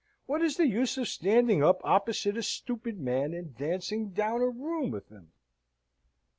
"What is the use of standing up opposite a stupid man, and dancing down a room with him?"